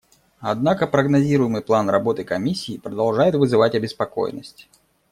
Однако прогнозируемый план работы Комиссии продолжает вызывать обеспокоенность.